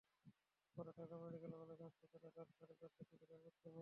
পরে Dhaka medical college হাসপাতালে রাত সাড়ে চারটার দিকে তাঁর মৃত্যু হয়।